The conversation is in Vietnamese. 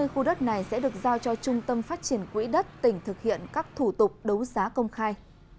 hai mươi khu đất này sẽ được giao cho trung tâm phát triển quỹ đất tỉnh thực hiện các thủ tục đấu giá công khai